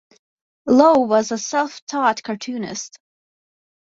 Low was a self-taught cartoonist.